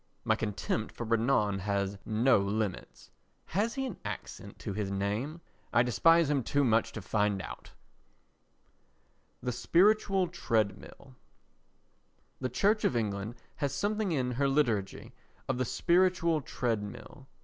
My contempt for Renan has no limits. (Has he an accent to his name? I despise him too much to find out.) The Spiritual Treadmill The Church of England has something in her liturgy of the spiritual treadmill.